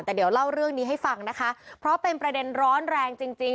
แต่เดี๋ยวเล่าเรื่องนี้ให้ฟังนะคะเพราะเป็นประเด็นร้อนแรงจริงจริง